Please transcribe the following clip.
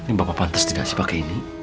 ini bapak pantas tidak sih pakai ini